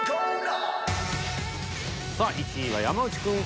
さあ１位は山内くん。